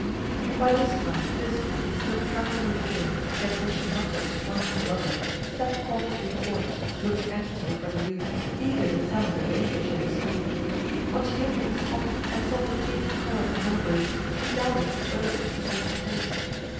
By this time Thisbe, still trembling with fear, yet wishing not to disappoint her lover, stepped cautiously forth, looking anxiously for the youth, eager to tell him the danger she had escaped. When she came to the spot and saw the changed color of the mulberries she doubted whether it was the same place.